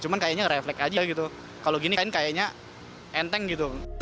cuman kayaknya refleks aja gitu kalau gini kan kayaknya enteng gitu